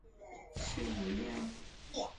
鸣梁海战